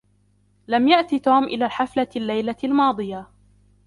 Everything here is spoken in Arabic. لم يأتي توم إلى الحفلة الليلة الماضية.